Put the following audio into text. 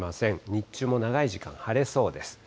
日中も長い時間晴れそうです。